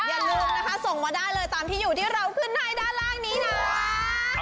อย่าลืมนะคะส่งมาได้เลยตามที่อยู่ที่เราขึ้นให้ด้านล่างนี้นะ